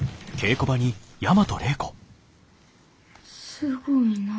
すごいなあ。